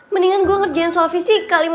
mendingan gua ngerjain sol fisika